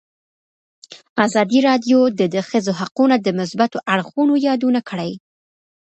ازادي راډیو د د ښځو حقونه د مثبتو اړخونو یادونه کړې.